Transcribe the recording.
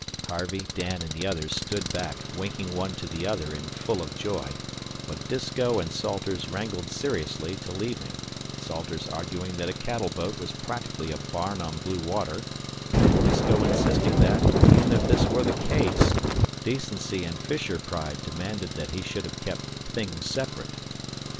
Harvey, Dan, and the others stood back, winking one to the other and full of joy; but Disko and Salters wrangled seriously till evening, Salters arguing that a cattle boat was practically a barn on blue water, and Disko insisting that, even if this were the case, decency and fisher pride demanded that he should have kept "things sep'rate."